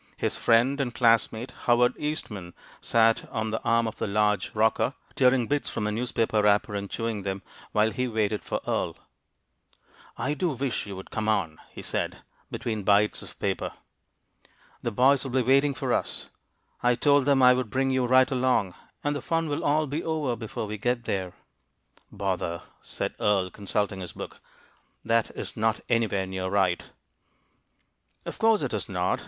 His friend and classmate, Howard Eastman, sat on the arm of the large rocker, tearing bits from a newspaper wrapper and chewing them, while he waited for Earle. "I do wish you would come on!" he said, between the bites of paper. "The boys will be waiting for us; I told them I would bring you right along, and the fun will all be over before we get there." "Bother!" said Earle, consulting his book. "That is not anywhere near right." "Of course it is not.